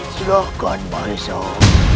silahkan bae sao